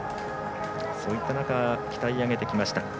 そういった中鍛え上げてきました。